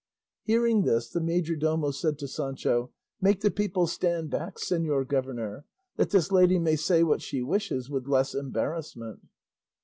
Hearing this the majordomo said to Sancho, "Make the people stand back, señor governor, that this lady may say what she wishes with less embarrassment."